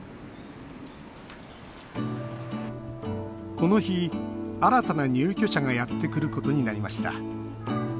この日、新たな入居者がやってくることになりました。